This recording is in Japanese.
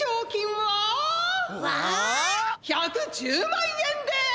「１１０万円です！」。